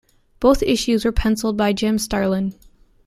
Both issues were penciled by Jim Starlin.